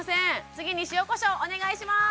次に塩・コショウお願いします